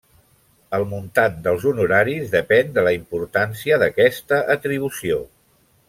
El muntant dels honoraris depèn de la importància d'aquesta atribució.